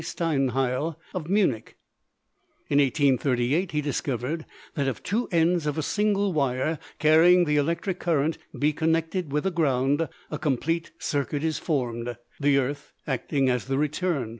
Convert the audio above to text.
Steinheil, of Munich. In 1838 he discovered that if the two ends of a single wire carrying the electric current be connected with the ground a complete circuit is formed, the earth acting as the return.